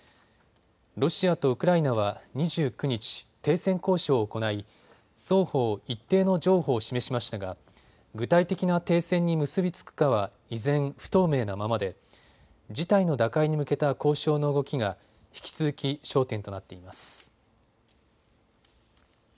ロシアとウクライナは２９日、停戦交渉を行い双方、一定の譲歩を示しましたが具体的な停戦に結び付くかは依然、不透明なままで事態の打開に向けた交渉の動きが引き続き焦点となっています。